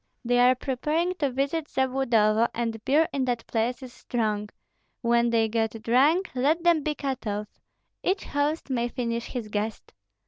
They are preparing to visit Zabludovo, and beer in that place is strong; when they get drunk, let them be cut off, each host may finish his guest.